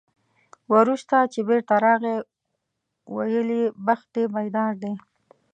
وروسته چې بېرته راغی، ویل یې بخت دې بیدار دی.